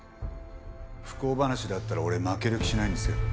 不幸話だったら俺負ける気しないんですけど。